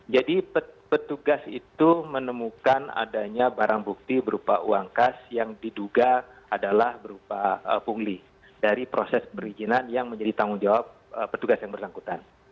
jadi petugas itu menemukan adanya barang bukti berupa uang kas yang diduga adalah berupa pungli dari proses berizinan yang menjadi tanggung jawab petugas yang bersangkutan